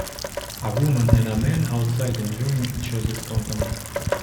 a woman and a man, outside, enjoying each others company.